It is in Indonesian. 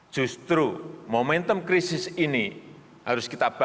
justru momentum krisis ini harus kita bangun